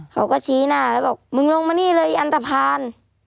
เขาก็ชี้หน้าแล้วบอกมึงลงมานี่เลยอันตภัณฑ์